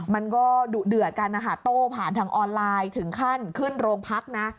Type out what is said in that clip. มันก็ดุเดือดกันนะคะโต้ผ่านทางออนไลน์ถึงขั้นขึ้นโรงพักนะ